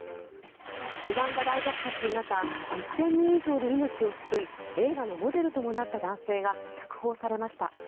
ルワンダ大虐殺の中１０００人以上の命を救い映画のモデルともなった男性が釈放されました。